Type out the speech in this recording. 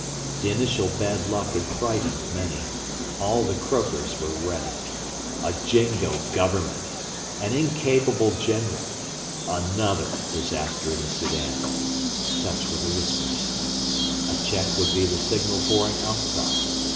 The initial bad luck had frightened many. All the croakers were ready. 'A Jingo Government' 'An incapable general' 'Another disaster in the Soudan' such were the whispers. A check would be the signal for an outcry.